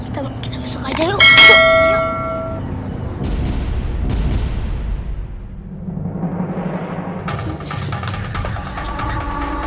kayaknya orang itu ga suka sama mo wahyu